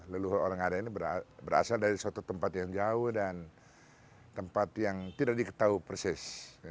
leluhur orang ngada ini berasal dari suatu tempat yang jauh dan tempat yang tidak diketahui persis